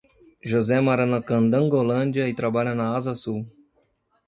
José mora na Candangolândia e trabalha na Asa Sul.